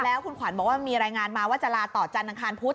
แล้วคุณขวัญบอกว่ามีรายงานมาว่าจะลาต่อจันทร์อังคารพุธ